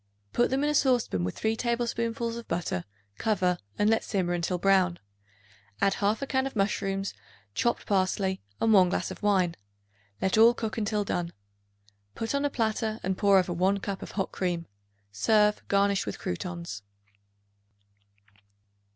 Put them in a saucepan with 3 tablespoonfuls of butter; cover and let simmer until brown. Add 1/2 can of mushrooms, chopped parsley, and 1 glass of wine; let all cook until done. Put on a platter and pour over 1 cup of hot cream. Serve, garnished with croutons.